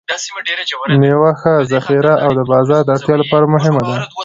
د میوو ښه ذخیره د بازار د اړتیا لپاره مهمه ده.